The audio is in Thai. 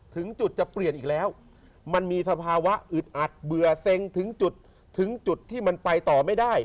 ถึงจุดจะเปลี่ยนอีกแล้วมันมีสภาวะอึดอัดเบื่อเซ็งถึงจุดถึงจุดที่มันไปต่อไม่ได้